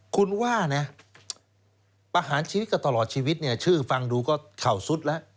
คุณว่านะประหารชีวิตก็ตลอดชีวิตเนี่ยชื่อฟังดูก็เข่าสุดแล้ว